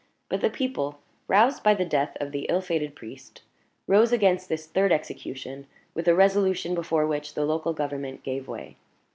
But the people, roused by the death of the ill fated priest, rose against this third execution with a resolution before which the local government gave way.